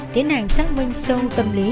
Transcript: tiến hành xác minh sâu tâm lý